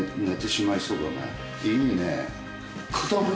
いいね。